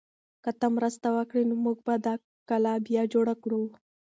که ته مرسته وکړې نو موږ به دا کلا بیا جوړه کړو.